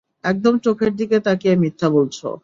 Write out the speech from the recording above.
একদম চোখের দিকে তাকিয়ে মিথ্যা বলছ!